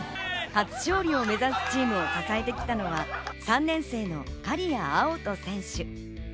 初勝利を目指すチームを支えてきたのは、３年生の苅谷碧斗選手。